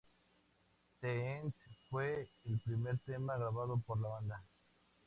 The End fue el primer tema grabado por la banda.